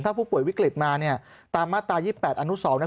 ถ้าผู้ป่วยวิกฤตมาเนี่ยตามมาตรา๒๘อนุสร